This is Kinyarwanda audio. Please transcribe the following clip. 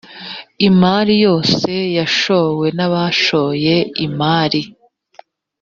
imari yose yashowe n abashoye imari